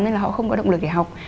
nên là họ không có động lực để học